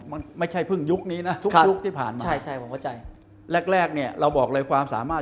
มันไม่ใช่เพิ่งยุคนี้นะทุกที่ผ่านมาแรกเราบอกเลยความสามารถ